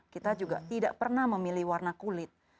kita juga tidak pernah memilih warna kulit